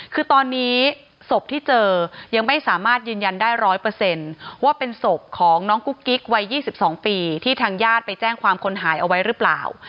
คือตอนนี้ศพที่เจอยังไม่สามารถยืนยันได้๑๐๐ว่าเป็นศพของน้องกุ๊กกิ๊กวัย๒๒ปีที่ทางญาติไปแจ้งความคนหายเอาไว้หรือเปล่า